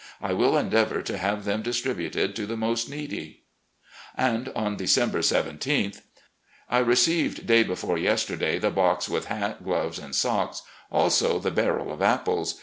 I will endeavour to have them distributed to the most needy. ..." And on December 17th: "... I received day before yesterday the box with hat, gloves, and socl^; also the barrel of apples.